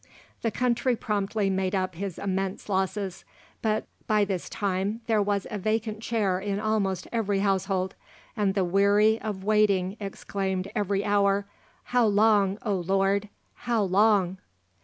The country promptly made up his immense losses; but by this time there was a vacant chair in almost every household, and the weary of waiting exclaimed every hour, "How long, O Lord! how long?"